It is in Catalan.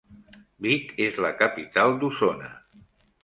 Vic és la capital d'Osona.